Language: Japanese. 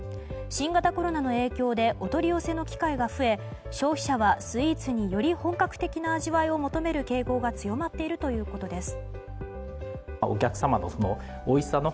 新型コロナの影響でお取り寄せの機会が増え消費者はスイーツにより本格的な味わいを求める傾向が強まっているということです。